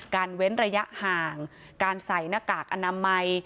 เว้นระยะห่างการใส่หน้ากากอนามัย